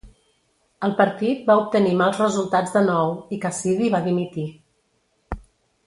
El partit va obtenir mals resultats de nou, i Cassidy va dimitir.